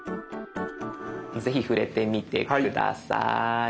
ぜひ触れてみて下さい。